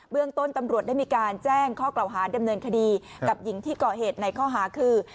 เรื่องต้นตำรวจได้มีการแจ้งข้อกล่าวหาดำเนินคดีกับหญิงที่ก่อเหตุในข้อหาคือ